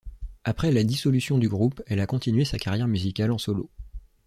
Après la dissolution du groupe, elle a continué sa carrière musicale en solo.